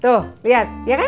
tuh liat ya kan